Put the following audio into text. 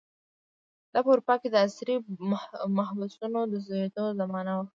دا په اروپا کې د عصري محبسونو د زېږېدو زمانه وه.